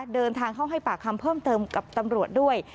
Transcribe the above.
เดินทางเข้าให้ปากคำเพิ่มเติมกับตำรวจด้วย